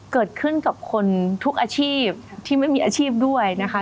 เกิดขึ้นกับคนทุกอาชีพที่ไม่มีอาชีพด้วยนะคะ